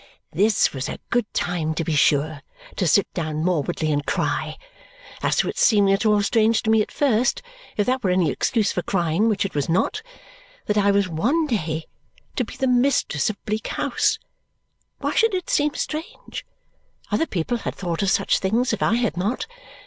This was a good time, to be sure, to sit down morbidly and cry! As to its seeming at all strange to me at first (if that were any excuse for crying, which it was not) that I was one day to be the mistress of Bleak House, why should it seem strange? Other people had thought of such things, if I had not.